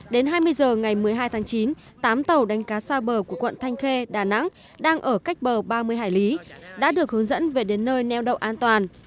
đến hai mươi h ngày một mươi hai tháng chín tám tàu đánh cá xa bờ của quận thanh khê đà nẵng đang ở cách bờ ba mươi hải lý đã được hướng dẫn về đến nơi neo đậu an toàn